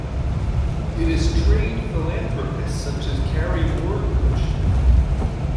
It has trained philanthropists such as Carrie Morgridge.